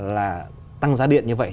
là tăng giá điện như vậy